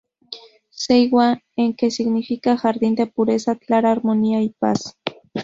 Seiwa-en que significa "Jardín de pureza, clara armonía y paz.